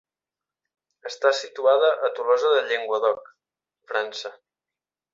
Està situada a Tolosa de Llenguadoc, França.